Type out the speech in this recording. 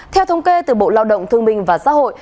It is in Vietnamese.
theo thống kê từ bộ lao động thương minh và xã hội